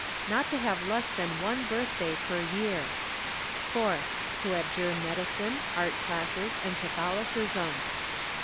Not to have less than one birthday per year. 4. To abjure medicine, art classes, and Catholicism.